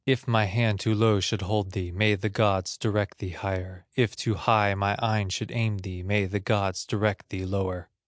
If my hand too low should hold thee, May the gods direct thee higher; If too high mine eye should aim thee, May the gods direct thee lower."